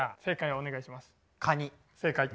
お願いします！